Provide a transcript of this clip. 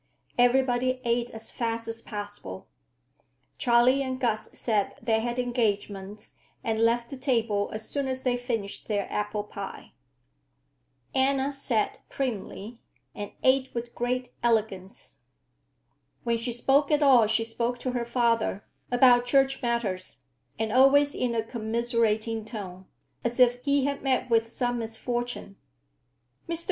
Everybody ate as fast as possible. Charley and Gus said they had engagements and left the table as soon as they finished their apple pie. Anna sat primly and ate with great elegance. When she spoke at all she spoke to her father, about church matters, and always in a commiserating tone, as if he had met with some misfortune. Mr.